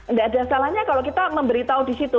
nggak ada salahnya kalau kita memberitahu di situ